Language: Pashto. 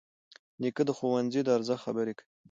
نیکه د ښوونځي د ارزښت خبرې کوي.